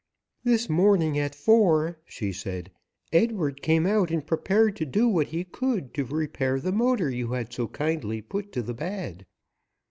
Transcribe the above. "This morning at four," she said, "Edward came out and prepared to do what he could to repair the motor you had so kindly put to the bad.